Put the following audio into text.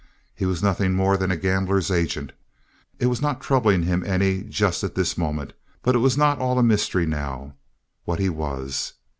He was nothing more than a gambler's agent. It was not troubling him any just at this moment, but it was not at all a mystery now, what he was.